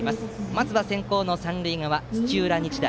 まずは先攻の三塁側、土浦日大。